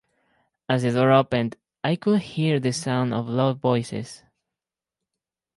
As the door opened I could hear the sound of low voices.